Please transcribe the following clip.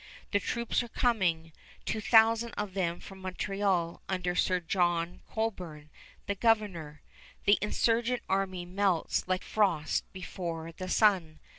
The troops are coming, two thousand of them from Montreal under Sir John Colborne, the governor. The insurgent army melts like frost before the sun.